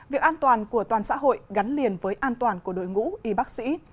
việc an toàn của toàn xã hội gắn liền với an toàn của đội ngũ y bác sĩ